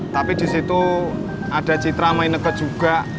tapi disitu ada citra main neget juga